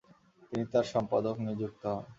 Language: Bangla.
তিনি তার সম্পাদক নিযুক্ত হন।